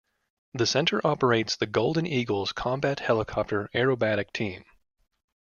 The center operates the "Golden Eagles" combat helicopter aerobatic team.